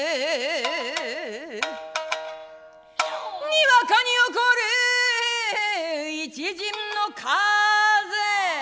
にわかに起こる一陣の風